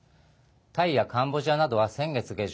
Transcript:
タイやカンボジアなどは先月下旬